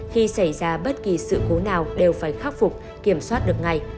khi xảy ra bất kỳ sự cố nào đều phải khắc phục kiểm soát được ngày